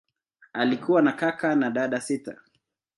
Alikuwa na kaka na dada sita.